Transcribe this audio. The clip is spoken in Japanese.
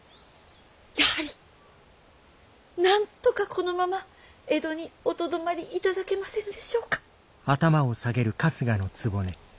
やはりなんとかこのまま江戸におとどまり頂けませぬでしょうか。